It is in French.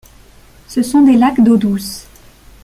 Ce sont des lacs d'eau douce.